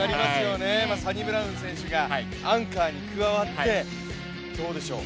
サニブラウン選手がアンカーに加わってどうでしょう